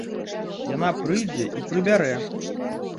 Яна прыйдзе і прыбярэ.